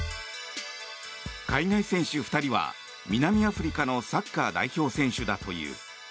海外選手２人は南アフリカのサッカー代表選手だという。